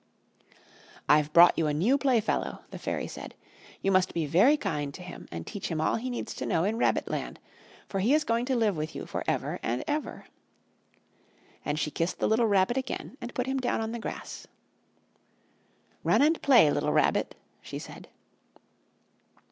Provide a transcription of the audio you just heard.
"I've brought you a new playfellow," the Fairy said. "You must be very kind to him and teach him all he needs to know in Rabbit land, for he is going to live with you for ever and ever!" And she kissed the little Rabbit again and put him down on the grass. "Run and play, little Rabbit!" she said.